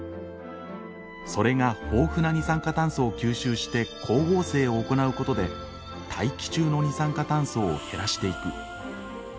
それが豊富な二酸化炭素を吸収して光合成を行うことで大気中の二酸化炭素を減らしていく。